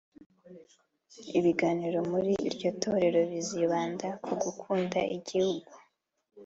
Ibiganiro muri iryo torero bizibanda ku gukunda igihugu